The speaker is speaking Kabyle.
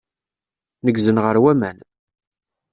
Neggzen ɣer waman.